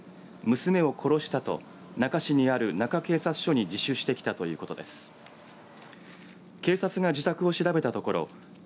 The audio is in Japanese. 娘を殺したと那珂市にある那珂警察署に自首してきたということです。